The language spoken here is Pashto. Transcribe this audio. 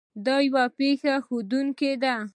د یوې پېښې ښودنه